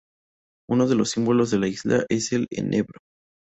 Uno de los símbolos de la isla es el enebro.